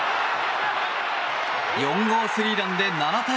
４号スリーランで７対５。